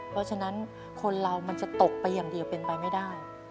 เพราะฉะนั้นคนเรามันจะตกไปอย่างเดียวเป็นไปไม่ได้